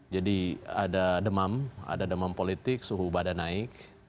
jadi ada demam ada demam politik suhu badan naik